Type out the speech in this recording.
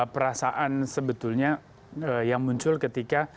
perasaan sebetulnya yang muncul ketika